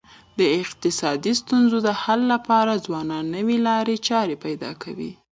د اقتصادي ستونزو د حل لپاره ځوانان نوي لاري چاري پیدا کوي.